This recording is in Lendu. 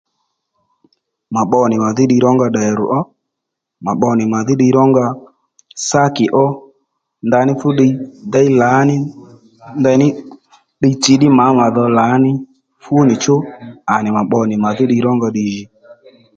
Mà pbo nì mà dhí ddiy ro nga ddèr ó mà pbo nì mà dhí ddiy ró nga sákì ó ndaní fú ddiy déy lǎní ndeyní ddiy tss ddí mǎ màdho lǎní fú nì chú à nì mà pbo nì mà dhí ddiy ró nga djì